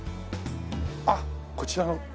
あっこちらの。